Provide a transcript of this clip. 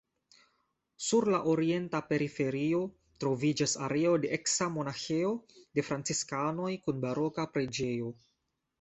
Sur la orienta periferio troviĝas areo de eksa monaĥejo de franciskanoj kun baroka preĝejo.